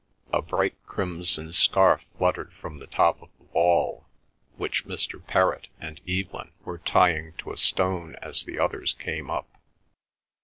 A bright crimson scarf fluttered from the top of the wall, which Mr. Perrott and Evelyn were tying to a stone as the others came up.